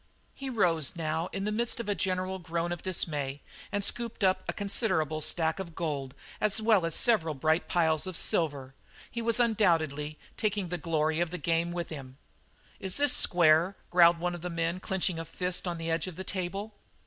He rose now in the midst of a general groan of dismay, and scooped in a considerable stack of gold as well as several bright piles of silver; he was undoubtedly taking the glory of the game with him. "Is this square?" growled one of the men clenching his fist on the edge of the table.